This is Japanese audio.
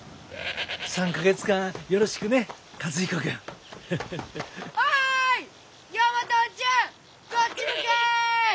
３か月間よろしくね和彦君。おい！